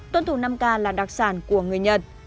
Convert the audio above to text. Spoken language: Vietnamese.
tuân thủ năm k là đặc sản của người nhật